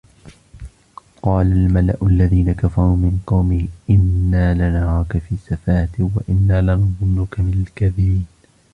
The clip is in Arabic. قَالَ الْمَلَأُ الَّذِينَ كَفَرُوا مِنْ قَوْمِهِ إِنَّا لَنَرَاكَ فِي سَفَاهَةٍ وَإِنَّا لَنَظُنُّكَ مِنَ الْكَاذِبِينَ